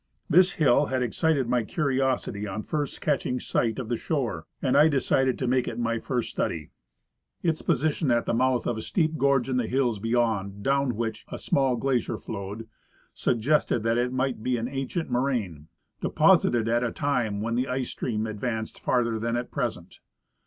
This hill had excited my curiosity on first catching sight of the shore, and I decided to make it my first study. Its position at the mouth of a steep gorge in the hills beyond, cloAvn Avliich a small glacier flowed, suggested that it might be an ancient moraine, deposited at a time when the ice stream ach'anced farther than at present.